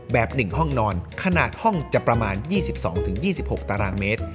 ๑ห้องนอนขนาดห้องจะประมาณ๒๒๒๖ตารางเมตร